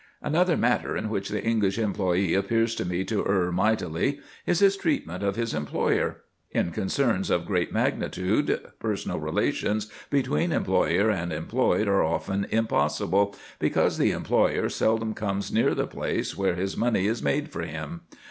Another matter in which the English employee appears to me to err mightily is his treatment of his employer. In concerns of great magnitude personal relations between employer and employed are often impossible, because the employer seldom comes near the place where his money is made for him.